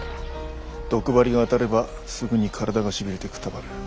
毒針が当たればすぐに体がしびれてくたばる。